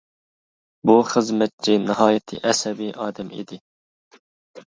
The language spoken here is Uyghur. بۇ خىزمەتچى ناھايىتى ئەسەبى ئادەم ئىدى.